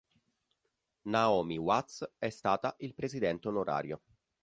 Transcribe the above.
Naomi Watts è stata il presidente onorario.